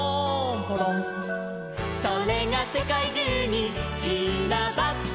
「それがせかいじゅうにちらばって」